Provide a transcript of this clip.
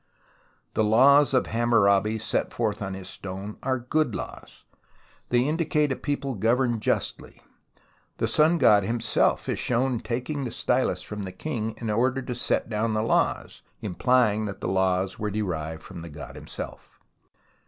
The laws of Hammurabi set forth on his stone are good laws, and they indicate a people governed justly. The sun god himself is shown taking the stylus from the king in order to set down the laws, implying that the laws were derived from the god himself.